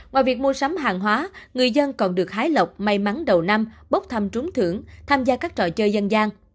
ngoài việc mua sắm hàng hóa người dân còn được hái lộc may mắn đầu năm bốc thăm trúng thưởng tham gia các trò chơi dân gian